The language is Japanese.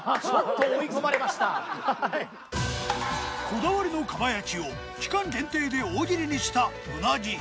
こだわりの蒲焼きを期間限定で大切りにしたうなぎ。